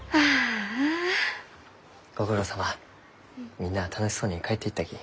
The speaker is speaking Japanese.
みんなあ楽しそうに帰っていったき。